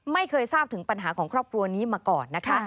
ไม่เคยทราบถึงปัญหาของครอบครัวนี้มาก่อนนะคะ